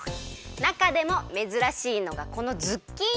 なかでもめずらしいのがこのズッキーニ！